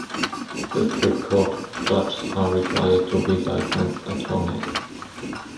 District court judges are required to be licensed attorneys.